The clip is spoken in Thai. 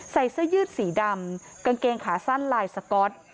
ใส่เสื้อยืดสีดำกางเกงขาสั้นลายสก๊อต